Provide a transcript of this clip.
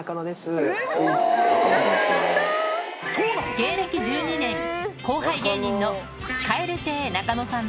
芸歴１２年後輩芸人の蛙亭・中野さん